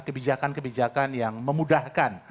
kebijakan kebijakan yang memudahkan